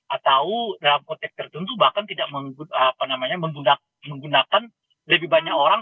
atau dalam konteks tertentu bahkan tidak menggunakan lebih banyak orang